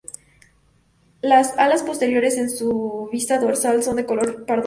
Las alas posteriores en su vista dorsal son de color pardo oscuro.